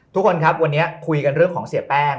ทุกคนครับวันนี้คุยกันเรื่องของเสียแป้ง